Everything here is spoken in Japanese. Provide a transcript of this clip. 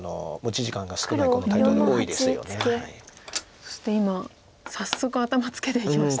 そして今早速頭ツケていきました。